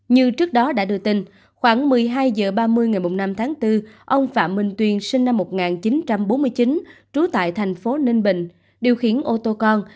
như trước đó đã đưa tin khoảng một mươi hai h ba mươi ngày năm tháng bốn ông phạm minh tuyền sinh năm một nghìn chín trăm bốn mươi chín trú tại thành phố ninh bình điều khiển ô tô con